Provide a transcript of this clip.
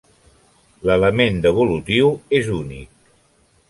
L'element devolutiu és únic.